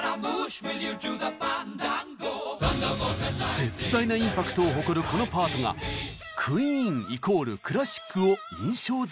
絶大なインパクトを誇るこのパートがクイーンイコールクラシックを印象づけてきました。